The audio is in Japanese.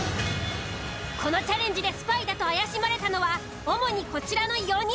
このチャレンジでスパイだと怪しまれたのは主にこちらの４人。